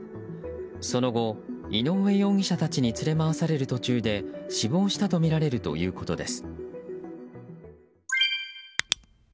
その後、井上容疑者たちに連れ回される途中で死亡したとみられるということです。